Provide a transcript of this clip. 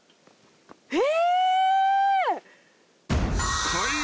え！